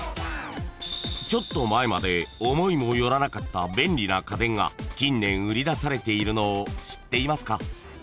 ［ちょっと前まで思いも寄らなかった便利な家電が近年売り出されているのを知っていますか？］